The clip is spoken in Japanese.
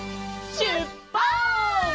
しゅっぱつ！